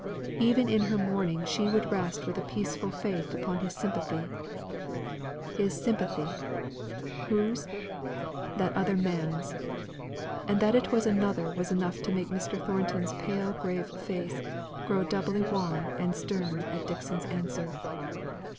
Even in her mourning she would rest with a peaceful faith upon his sympathy. His sympathy! Whose? That other man's. And that it was another was enough to make Mr. Thornton's pale grave face grow doubly wan and stern at Dixon's answer.